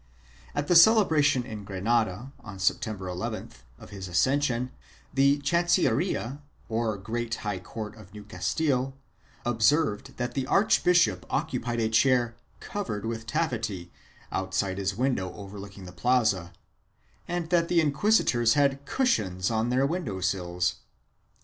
At the celebration in Granada, on Sep tember llth, of his accession, the chancilleria, or great high court of New Castile, observed that the archbishop occupied a chair covered with taffety, outside of his window overlooking the plaza, and that the inquisitors had cushions on their window sills.